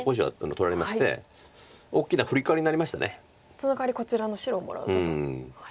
そのかわりにこちらの白をもらうぞと。